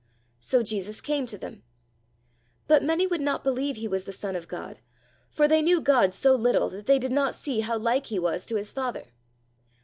So Jesus came to them. But many would not believe he was the son of God, for they knew God so little that they did not see how like he was to his Father.